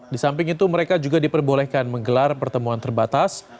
di samping itu mereka juga diperbolehkan menggelar pertemuan terbatas